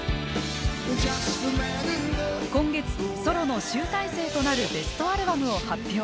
今月ソロの集大成となるベストアルバムを発表。